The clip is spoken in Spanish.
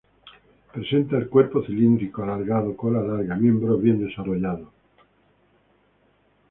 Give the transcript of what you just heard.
Presenta el cuerpo cilíndrico, alargado, cola larga, miembros bien desarrollados.